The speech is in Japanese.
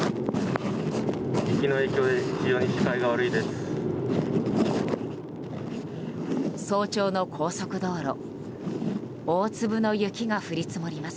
雪の影響で非常に視界が悪いです。